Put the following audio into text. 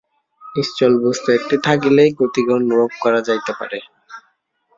নিশ্চল বস্তু একটি থাকিলেই গতিকে অনুভব করা যাইতে পারে।